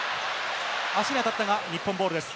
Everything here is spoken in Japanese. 足に当たったが日本ボールです。